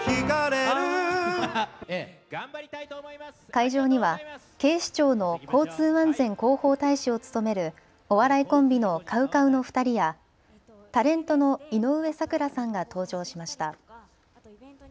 会場には警視庁の交通安全広報大使を務めるお笑いコンビのＣＯＷＣＯＷの２人やタレントの井上咲楽さんが登場しました。